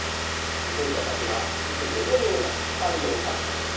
為政者たちはいつどのような失敗を犯したか。